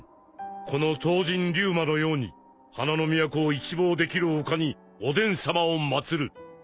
この刀神リューマのように花の都を一望できる丘におでんさまを祭る。